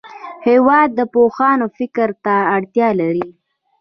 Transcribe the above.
هېواد د پوهانو فکر ته اړتیا لري.